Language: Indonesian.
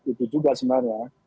itu juga sebenarnya